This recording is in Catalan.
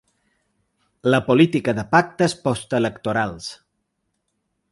La política de pactes post-electorals.